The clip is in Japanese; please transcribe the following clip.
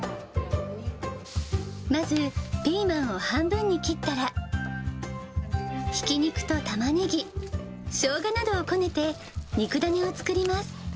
まず、ピーマンを半分に切ったら、ひき肉とタマネギ、ショウガなどをこねて肉だねを作ります。